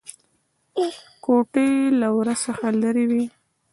کوټې له ور څخه لرې وې.